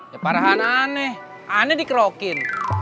ya parahan aneh aneh dikerokin